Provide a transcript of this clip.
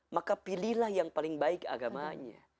maka pilihlah yang paling baik agamanya